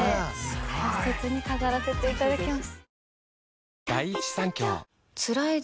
大切に飾らせていただきます。